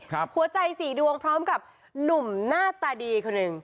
หัวใจสี่ดวงพร้อมกับหนุ่มหน้าตาดีคนหนึ่ง